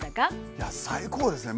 いや最高ですね。